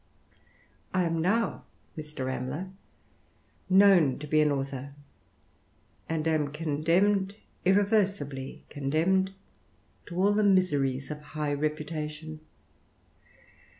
I am now, Mr. Rambler, known to be an author, and am condemned, irreversibly condemned, to all the miseries of high reputation.